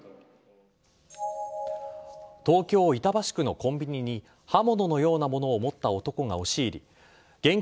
東京・板橋区のコンビニに刃物のようなものを持った男が押し入り現金